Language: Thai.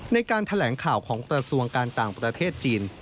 ในการแถลงข่าวของกระทรวงการต่างประเทศจีน